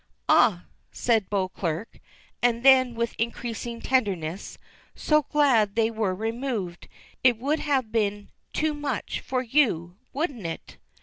"Ah!" says Beauclerk. And then with increasing tenderness. "So glad they were removed; it would have been too much for you, wouldn't it?"